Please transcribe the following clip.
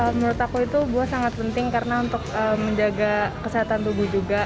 menurut aku itu buah sangat penting karena untuk menjaga kesehatan tubuh juga